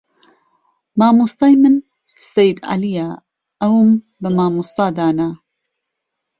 مامۆستای من سەید عەلیە ئەوم بە مامۆستا دانا